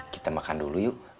kita makan dulu yuk